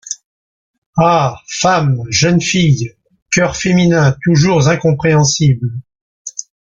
Ah! femmes, jeunes filles, cœurs féminins toujours incompréhensibles !